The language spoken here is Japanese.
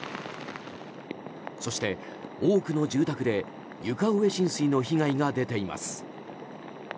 そして、多くの住宅で床上浸水の被害が出ています。